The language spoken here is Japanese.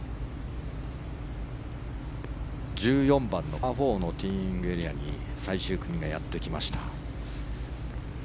１４番のパー４のティーイングエリアに最終組がやってきました。